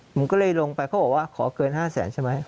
ผมก็เลยลงไปเขาบอกว่าขอเกิน๕แสนใช่ไหม